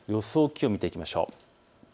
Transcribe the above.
気温を見ていきましょう。